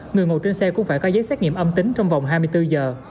người ngồi trên xe cũng phải có giấy xác nghiệm âm tính trong vòng hai mươi bốn giờ